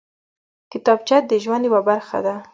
کتابچه د ژوند یوه برخه ده